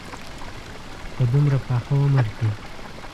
په دومره پاخه عمر کې.